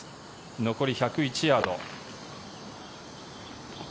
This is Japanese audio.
残り１０１ヤード。